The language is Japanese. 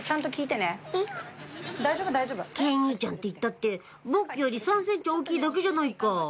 「慶兄ちゃんっていったって僕より３ｃｍ大きいだけじゃないか」